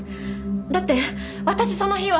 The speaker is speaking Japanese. だって私その日は。